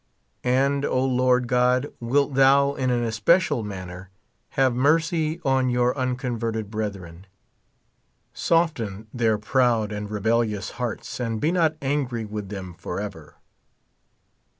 And, O Lord God, wilt thou in an especial manner have mercy on our unconverted brethren ? Soften their proud and rebel lious hearts, and be not angry with them forever.